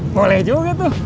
boleh juga tuh